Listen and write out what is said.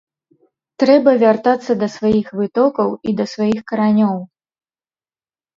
Трэба вяртацца да сваіх вытокаў і да сваіх каранёў.